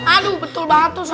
aduh betul banget tuh sob